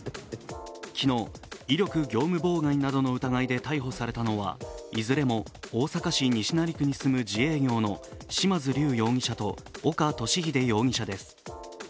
昨日、威力業務妨害などの疑いで逮捕されたのはいずれも大阪市西成区に住む自営業の嶋津龍容疑者と岡敏秀容疑者です。